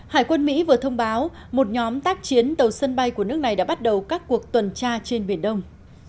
hải quân mỹ vừa thông báo một nhóm tác chiến tàu sân bay của nước này đã bắt đầu các cuộc tuần tra trên biển đông